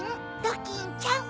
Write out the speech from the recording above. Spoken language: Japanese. ドキンちゃん。